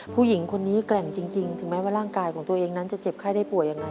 ผู้หญิงคนนี้แกร่งจริงถึงแม้ว่าร่างกายของตัวเองนั้นจะเจ็บไข้ได้ป่วยยังไง